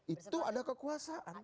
itu ada kekuasaan